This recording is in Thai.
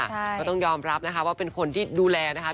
ก็ต้องยอมรับนะคะว่าเป็นคนที่ดูแลนะคะ